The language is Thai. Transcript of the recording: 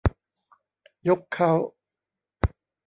ยกเค้า